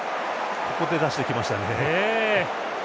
ここで出してきましたね。